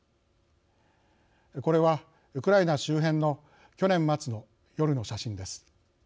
これは、ウクライナ周辺の去年まつの夜の写真です。